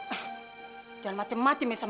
jadi dari mana kamu lagi dia zoom